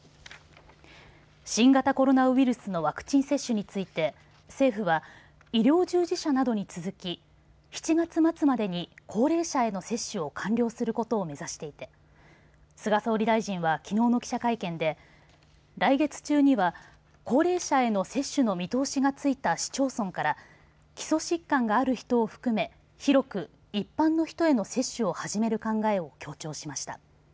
新型コロナウイルスのワクチン接種について政府は医療従事者などに続き７月末までに高齢者への接種を完了することを目指していて菅総理大臣はきのうの記者会見で来月中には高齢者への接種の見通しがついた市町村から基礎疾患がある人を含め広く、一般の人への接種を始める考えを強調しました。